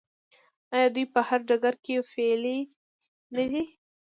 آیا دوی په هر ډګر کې فعالې نه دي؟